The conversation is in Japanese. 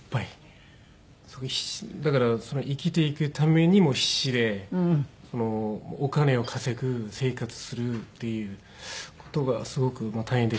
すごい必死だから生きていくためにもう必死でお金を稼ぐ生活するっていう事がすごく大変でしたね。